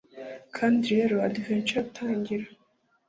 kandi rero adventure iratangira.